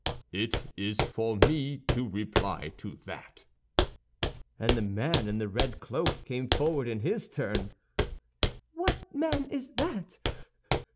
"It is for me to reply to that!" And the man in the red cloak came forward in his turn. "What man is that?